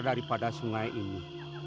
daripada sungai ini